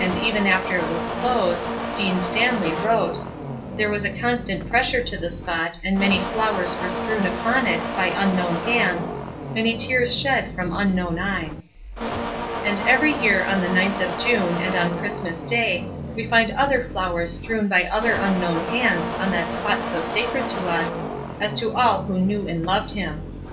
And even after it was closed Dean Stanley wrote: "There was a constant pressure to the spot and many flowers were strewn upon it by unknown hands, many tears shed from unknown eyes." [Picture: Charles Dickens' Grave] And every year on the ninth of June and on Christmas day we find other flowers strewn by other unknown hands on that spot so sacred to us, as to all who knew and loved him.